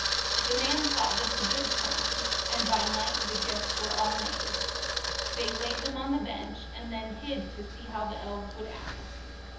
'' The man thought this a good plan, and by night the gifts were all made. They laid them on the bench, and then hid to see how the elves would act.